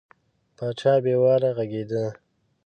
پاچا بې واره غږېده.